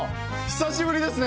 久しぶりですね